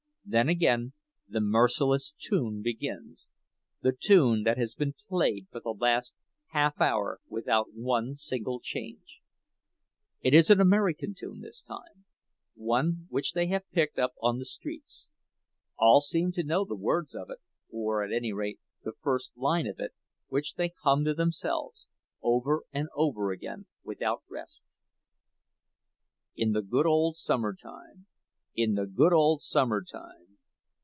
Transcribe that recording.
Then again the merciless tune begins—the tune that has been played for the last half hour without one single change. It is an American tune this time, one which they have picked up on the streets; all seem to know the words of it—or, at any rate, the first line of it, which they hum to themselves, over and over again without rest: "In the good old summertime—in the good old summertime!